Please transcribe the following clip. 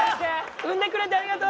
生んでくれてありがとう！